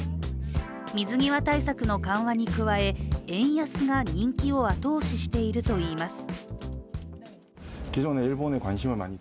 水際対策の緩和に加え円安が人気を後押ししているといいます。